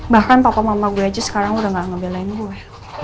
bahkan tokoh mama gue aja sekarang udah gak ngebelain gue